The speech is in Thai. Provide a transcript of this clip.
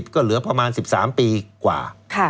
ก็เหลือประมาณ๑๓ปีกว่า